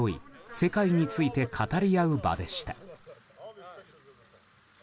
世界について語り合う場でした。